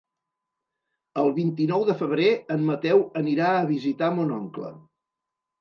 El vint-i-nou de febrer en Mateu anirà a visitar mon oncle.